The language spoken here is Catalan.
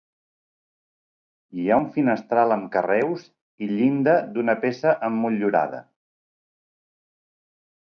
Hi ha un finestral amb carreus i llinda d'una peça emmotllurada.